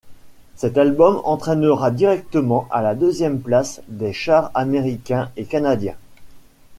Cet album entrera directement à la deuxième place des charts américains et canadiens.